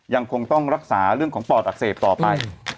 ยังคงต้องรักษาเรื่องของปอดอักเสบต่อไป